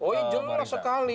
oh iya jelas sekali